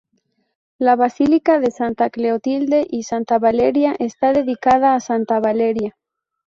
La basílica de Santa Clotilde y Santa Valeria está dedicada a Santa Valeria.